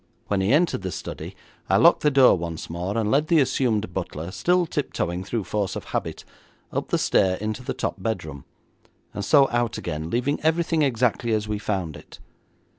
When he entered the study, I locked the door once more, and led the assumed butler, still tiptoeing through force of habit, up the stair into the top bedroom, and so out again, leaving everything exactly as we found it.